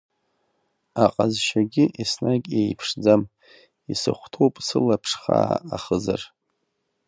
Аҟазшьагьы еснагь еиԥшӡам, исыхәҭоуп сылаԥш-хаа ахызар.